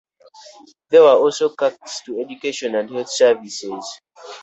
There were also cuts to education and health services.